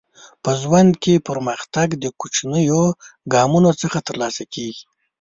په ژوند کې پرمختګ د کوچنیو ګامونو څخه ترلاسه کیږي.